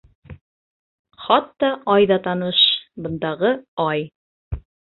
Хатта ай ҙа таныш, бындағы ай.